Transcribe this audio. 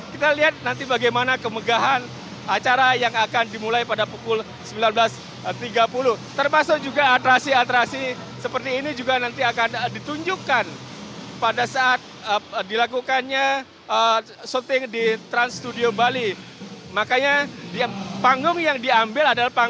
kita lihat nanti bagaimana kemegahan acara yang akan dimulai pada pagi ini